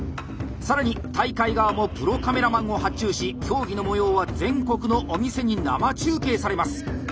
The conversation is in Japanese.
さらに大会側もプロカメラマンを発注し競技の模様は全国のお店に生中継されます！